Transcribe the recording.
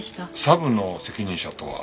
サブの責任者とは？